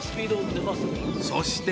そして］